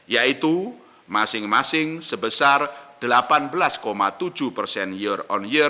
yaitu masing masing sebesar delapan belas tujuh persen year on year dan sebelas delapan persen year on year